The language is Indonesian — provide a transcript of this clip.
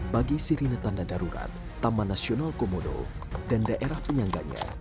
bagi sirine tanda darurat taman nasional komodo dan daerah penyangganya